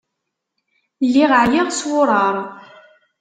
Lliɣ ɛyiɣ s wuṛaṛ.